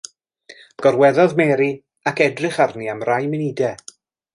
Gorweddodd Mary ac edrych arni am rai munudau.